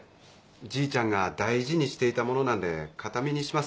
じいちゃんが大事にしていたものなんで形見にします。